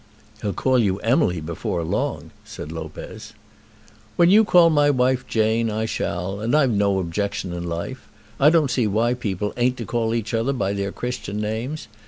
"He'll call you Emily before long," said Lopez. "When you call my wife Jane, I shall, and I've no objection in life. I don't see why people ain't to call each other by their Christian names.